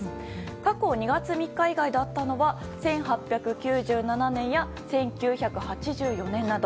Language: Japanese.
過去、２月３日以外だったのは１８９７年や１９８４年など。